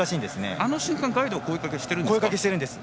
あの瞬間ガイドは声かけをしているんですか。